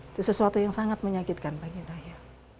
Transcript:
itu sesuatu yang sangat menyakitkan bagi saya